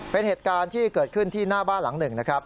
เป็นเหตุการณ์ที่เกิดขึ้นที่หน้าบ้านหลังหนึ่งนะครับ